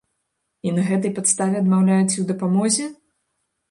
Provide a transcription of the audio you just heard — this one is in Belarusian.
І на гэтай падставе адмаўляеце ў дапамозе?